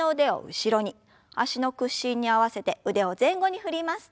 脚の屈伸に合わせて腕を前後に振ります。